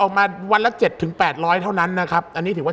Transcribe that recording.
รอที่จะมาอัปเดตผลงานแล้วแล้วก็เข้าไปโด่งดังไกลถึงประเทศจีนนะ